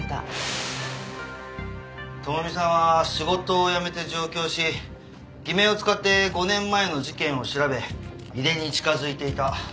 朋美さんは仕事を辞めて上京し偽名を使って５年前の事件を調べ井出に近づいていた。